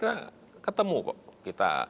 kita ketemu kok